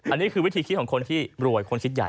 อันนี้คือวิธีคิดของคนที่รวยคนคิดใหญ่